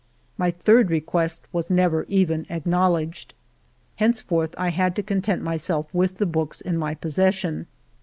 My third request was never even acknowledged. Henceforward I had to content myself with the books in my possession.